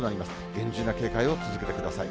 厳重な警戒を続けてください。